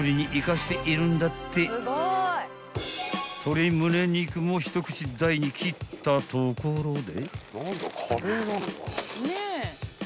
［鶏むね肉も一口大に切ったところで］